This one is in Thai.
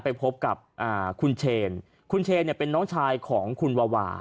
ไปพบกับคุณเชนคุณเชนเนี่ยเป็นน้องชายของคุณวาวา